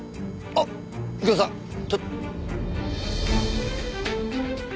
あっ右京さんちょっと。